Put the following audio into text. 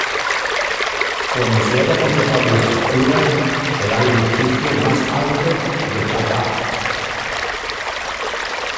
Cuando se haya completado, la estructura será el edificio más alto en Catar.